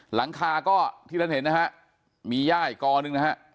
หลังคาก็ที่ท่านเห็นนะฮะมีย่าอีกกอหนึ่งนะฮะ